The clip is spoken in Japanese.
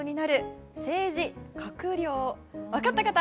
分かった方。